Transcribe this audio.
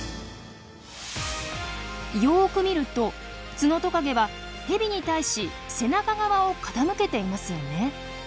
よく見るとツノトカゲはヘビに対し背中側を傾けていますよね。